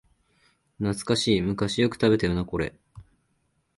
懐かしい、昔よく食べたよなこれ